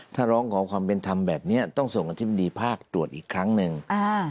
ถ้าร้องขอความเป็นธรรมแบบนี้ต้องส่งอธิบดีภาคตรวจอีกครั้งหนึ่ง